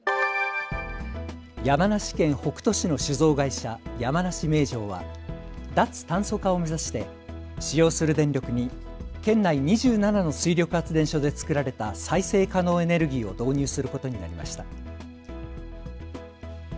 山梨県北杜市の酒造会社、山梨銘醸は脱炭素化を目指して使用する電力に県内２７の水力発電所で作られた再生可能エネルギーを導入することになりました。